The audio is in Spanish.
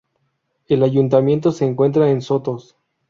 El Ayuntamiento se encuentra en Sotos.